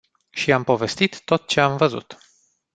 Și am povestit tot ce am văzut.